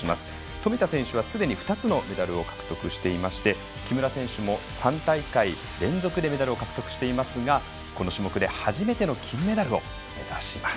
富田選手はすでに２つのメダルを獲得していて木村選手も３大会連続でメダルを獲得していますがこの種目で初めての金メダルを目指します。